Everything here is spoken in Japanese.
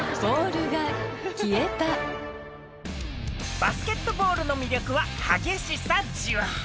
バスケットボールの魅力は激しさじわ。